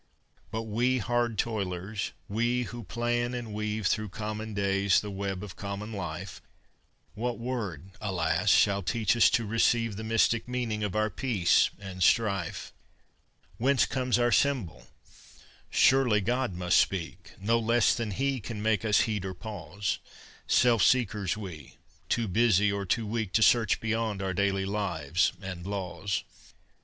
But we, hard toilers, we who plan and weave Through common days the web of common life, What word, alas! shall teach us to receive The mystic meaning of our peace and strife? Whence comes our symbol? Surely, God must speak No less than He can make us heed or pause: Self seekers we, too busy or too weak To search beyond our daily lives and laws.